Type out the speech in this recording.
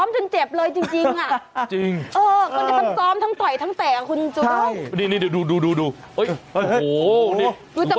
โอ้โหโอ้โห